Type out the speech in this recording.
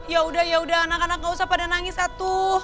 ya udah ya udah anak anak gak usah pada nangis satu